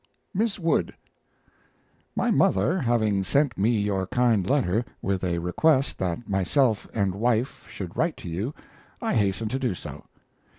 MISS WOOD, My mother having sent me your kind letter, with a request that myself and wife should write to you, I hasten to do so.